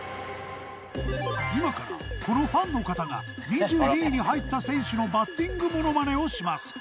今からこのファンの方が２２位に入った選手のバッティングモノマネをします。